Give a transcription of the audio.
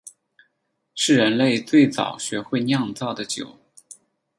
是人类最早学会酿造的酒。